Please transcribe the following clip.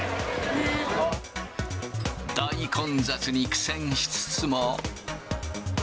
大混雑に苦戦しつつも。